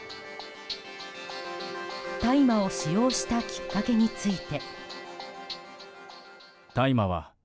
大麻を使用したきっかけについて。